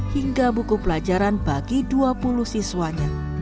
hingga buku pelajaran bagi dua puluh siswanya